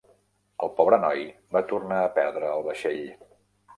El pobre noi va tornar a perdre el vaixell.